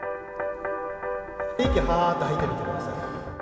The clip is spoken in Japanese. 息をはーって吐いてみてください。